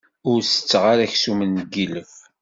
Ur setteɣ ara aksum n yilef.